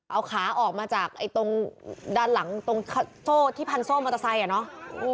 เอาขาออกมาจากตรงด้านหลังตรงที่พันส้อมมอเตอร์ไซค์